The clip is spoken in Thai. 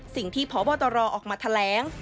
สิ่งที่พบตรออกมาแถลง